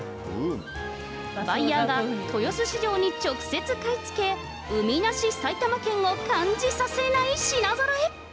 バイヤーが豊洲市場に直接買い付け、海なし埼玉県を感じさせない品ぞろえ。